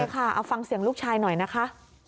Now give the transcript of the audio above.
ใช่ค่ะเอาฟังเสียงลูกชายหน่อยนะคะ